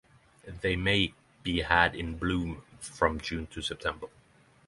They may be had in bloom from June to September.